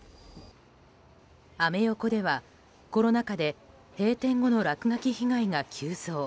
アメ横では、コロナ禍で閉店後の落書き被害が急増。